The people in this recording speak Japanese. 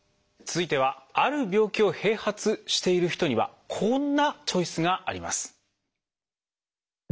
続いてはある病気を併発している人にはこんなチョイスがあります。